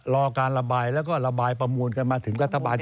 รอการระบายแล้วก็ระบายประมูลกันมาถึงรัฐบาล